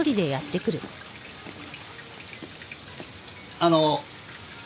あの。